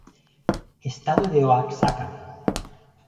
Estado de Oaxaca.